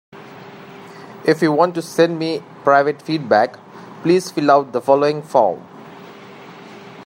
If you want to send me private feedback, please fill out the following form.